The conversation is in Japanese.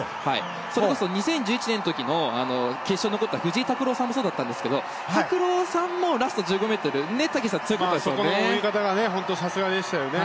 それこそ２０１１年の時の決勝に残った藤井拓郎さんもそうだったんですけど拓郎さんもラスト１５ｍが強かったですよね。